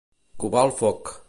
Covar el foc.